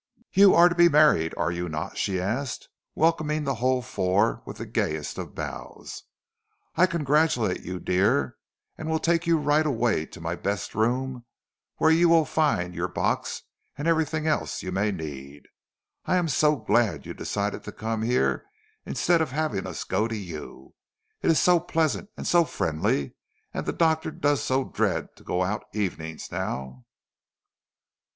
"You are to be married, are you not?" she asked, welcoming the whole four with the gayest of bows. "I congratulate you, dear, and will take you right away to my best room, where you will find your box and everything else you may need. I am so glad you decided to come here instead of having us go to you. It is so pleasant and so friendly and the Doctor does so dread to go out evenings now."